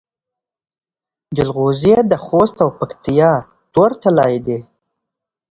جلغوزي د خوست او پکتیا تور طلایی دي.